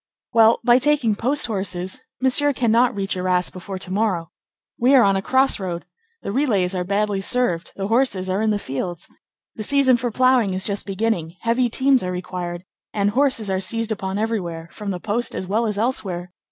"Well, by taking post horses, Monsieur cannot reach Arras before to morrow. We are on a crossroad. The relays are badly served, the horses are in the fields. The season for ploughing is just beginning; heavy teams are required, and horses are seized upon everywhere, from the post as well as elsewhere.